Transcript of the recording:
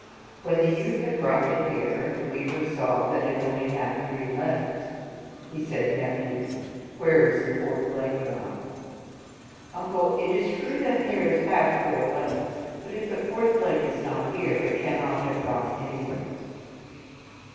When the youth had brought the hare, and the weaver saw that it only had three legs, he said, " Nephew, where is the fourth leg gone?" "Uncle, it is true that hares have four legs, but if the fourth leg is not there, it cannot have gone anywhere."